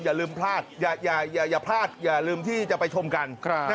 อย่าลืมพลาดอย่าลืมที่จะไปชมกัน